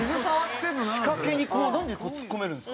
仕掛けにこうなんで突っ込めるんですか？